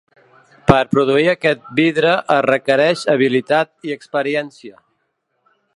Per produir aquest vidre es requereix habilitat i experiència.